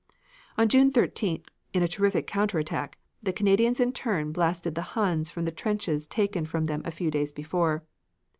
On June 13th, in a terrific counter attack, the Canadians in turn blasted the Huns from the trenches taken from them a few days before.